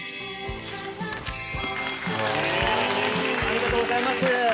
ありがとうございます。